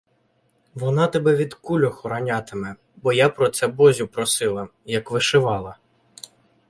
Вона тебе від куль охоронятиме, бо я про це Бозю просила, як вишивала.